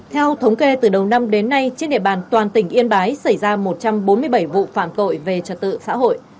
theo thống kê từ đầu năm đến nay trên địa bàn toàn tỉnh yên bái xảy ra một trăm bốn mươi bảy vụ phạm tội về trật tự xã hội